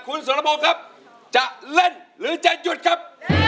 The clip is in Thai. คุณสุรพงศ์ครับจะเล่นหรือจะหยุดครับ